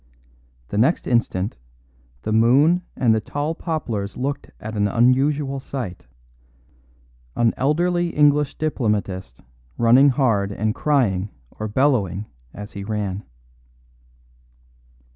The next instant the moon and the tall poplars looked at an unusual sight an elderly English diplomatist running hard and crying or bellowing as he ran.